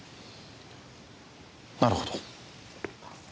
なるほど。